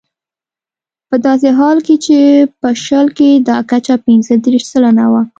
په داسې حال کې چې په شل کې دا کچه پنځه دېرش سلنه وه.